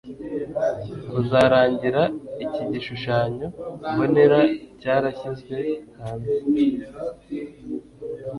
kuzarangira iki gishushanyo mbonera cyarashyizwe hanze.